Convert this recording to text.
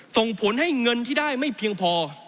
ส่งผลให้เงินที่ได้ไม่เพียงพอ